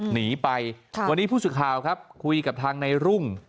หนีไปวันนี้ผู้สื่อข่าวครับคุยกับทางในรุ่ง